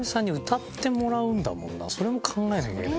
それも考えなきゃいけない。